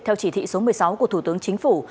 theo chỉ thị số một mươi sáu của thủ tướng chính phủ